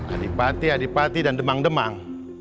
adipati adipati dan demang demang